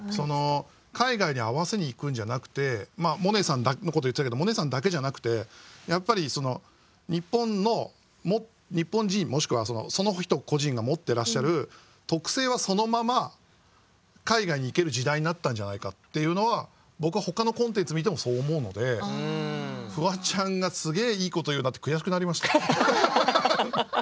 海外に合わせに行くんじゃなくてまあ萌音さんのこと言ってたけど萌音さんだけじゃなくてやっぱり日本の日本人もしくはその人個人が持ってらっしゃる特性はそのまま海外に行ける時代になったんじゃないかっていうのは僕はほかのコンテンツ見てもそう思うのでフワちゃんがすげえいいこと言うなって悔しくなりました。